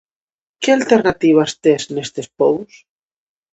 Que alternativas tes nestes pobos?